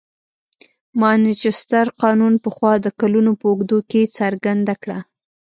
مانچستر قانون پخوا د کلونو په اوږدو کې څرګنده کړه.